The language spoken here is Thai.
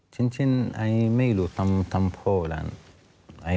อืมจริงไม่รู้ทำพูดอะไร